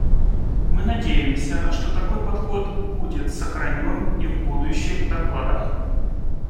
Мы надеемся, что такой подход будет сохранен и в будущих докладах.